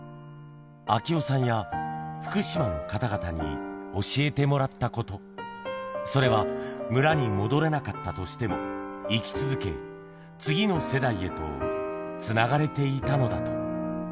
明雄さんや、福島の方々に教えてもらったこと、それは、村に戻れなかったとしても、生き続け、次の世代へとつながれていたのだと。